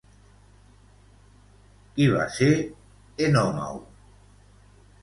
Qui va ser Enòmau?